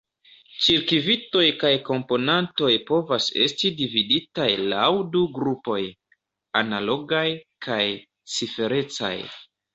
Cirkvitoj kaj komponantoj povas esti dividitaj laŭ du grupoj: analogaj kaj ciferecaj.